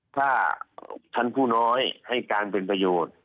ถ้าชั้นผู้น้อยให้การเป็นประโยชน์